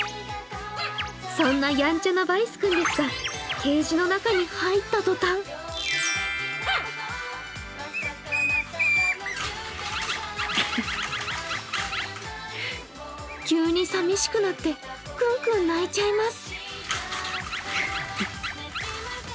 そんなやんちゃなヴァイス君ですが、ケージの中に入った途端急にさみしくなってクンクン鳴いちゃいます。